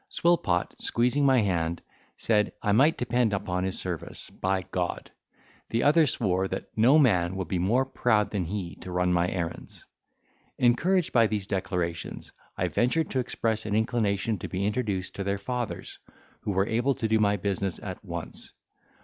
Swillpot, squeezing my hand, said, I might depend upon his service by G—. The other swore that no man would be more proud than he to run my errands. Encouraged by these declarations, I ventured to express an inclination to be introduced to their fathers, who were able to do my business at once.